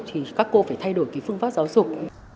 thì các cô phải thay đổi cái phương pháp giáo dục